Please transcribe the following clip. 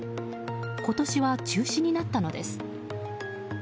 今年は中止になったのです。